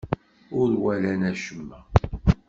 Ur walan acemma.